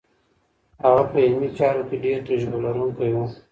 هغه په علمي چارو کې ډېر تجربه لرونکی و.